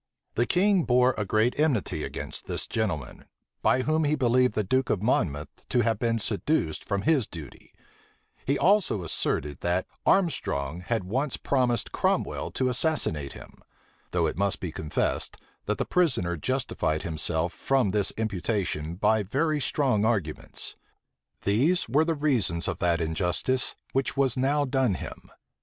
The king bore a great enmity against this gentleman, by whom he believed the duke of Monmouth to have been seduced from his duty; he also asserted, that Armstrong had once promised Cromwell to assassinate him; though it must be confessed, that the prisoner justified himself from this imputation by very strong arguments. These were the reasons of that injustice which was now done him.